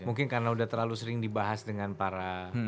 mungkin karena udah terlalu sering dibahas dengan para